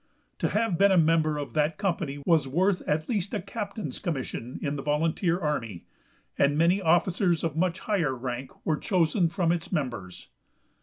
To have been a member of that company was worth at least a captain's commission in the volunteer army, and many officers of much higher rank were chosen from its members.